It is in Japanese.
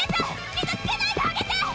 傷つけないであげて！